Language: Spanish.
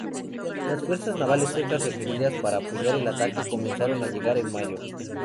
Las fuerzas navales suecas requeridas para apoyar el ataque comenzaron a llegar en mayo.